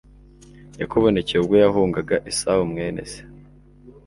yakubonekeye ubwo wahungaga esawu mwene se